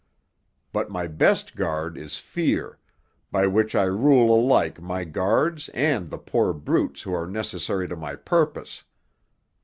"But my best guard is Fear—by which I rule alike my guards and the poor brutes who are necessary to my purpose.